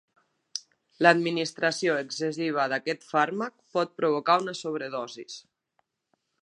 L'administració excessiva d'aquest fàrmac pot provocar una sobredosi.